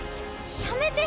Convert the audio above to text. やめて！